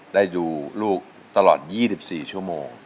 ได้ดูลูกตลอด๒๔ชั่วโมง